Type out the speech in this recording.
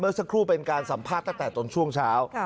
สักครู่เป็นการสัมภาษณ์ตั้งแต่ตอนช่วงเช้า